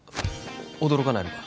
驚かないのか？